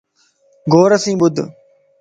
غور سين ٻڌ